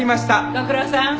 ご苦労さん。